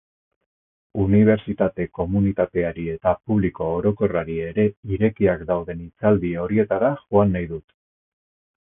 Unibertsitate komunitateari eta publiko orokorrari ere irekiak dauden hitzaldi horietara joan nahi dut.